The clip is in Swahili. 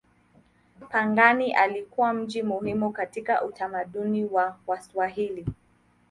Pangani ilikuwa mji muhimu katika utamaduni wa Waswahili.